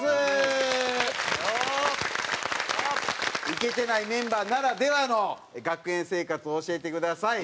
イケてないメンバーならではの学園生活を教えてください。